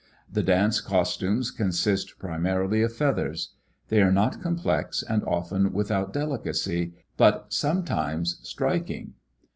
The dance costumes consist primarily of feathers. They are not complex and often without delicacy, but sometimes striking.